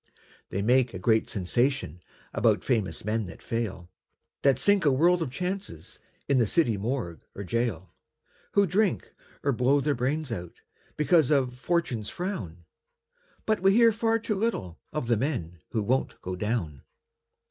They make a great sensation About famous men that fail, That sink a world of chances In the city morgue or gaol, Who drink, or blow their brains out, Because of "Fortune's frown". But we hear far too little Of the men who won't go down.